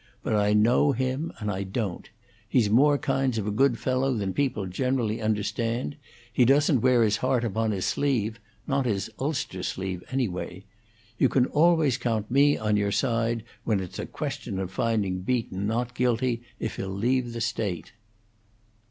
But I know him and I don't. He's more kinds of a good fellow than people generally understand. He doesn't wear his heart upon his sleeve not his ulster sleeve, anyway. You can always count me on your side when it's a question of finding Beaton not guilty if he'll leave the State."